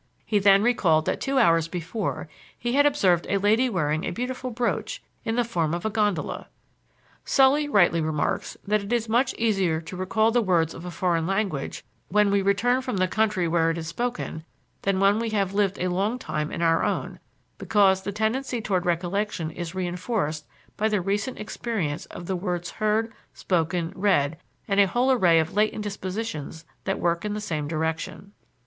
He then recalled that two hours before he had observed a lady wearing a beautiful brooch in the form of a gondola. Sully rightly remarks that it is much easier to recall the words of a foreign language when we return from the country where it is spoken than when we have lived a long time in our own, because the tendency toward recollection is reinforced by the recent experience of the words heard, spoken, read, and a whole array of latent dispositions that work in the same direction.